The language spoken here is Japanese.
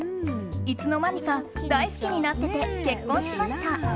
いつの間にか大好きになってて結婚しました。